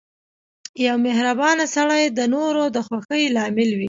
• یو مهربان سړی د نورو د خوښۍ لامل وي.